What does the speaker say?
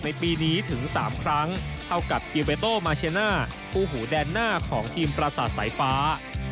ปีนี้ถึง๓ครั้งเท่ากับกิเวโตมาเชน่าผู้หูแดนหน้าของทีมประสาทสายฟ้า